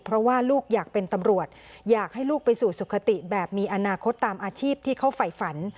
เพราะว่าลูกอยากเป็นตำรวจอยากให้ลูกไปสู่สุขติแบบมีอนาคตตามอาชีพที่เขาไฟฝัน